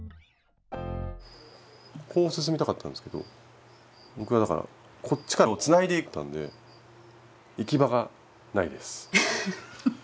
こう進みたかったんですけど僕はだからこっちからつないでいったんで行き場がないです。